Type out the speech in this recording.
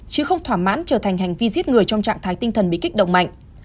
chứ không thỏa mãn trở thành hành vi giết người trong trạng thái tinh thần bị kích động mạnh